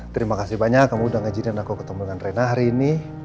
terima kasih banyak kamu udah ngajin aku ketemu dengan reina hari ini